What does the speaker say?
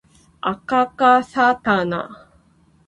あかかかさたな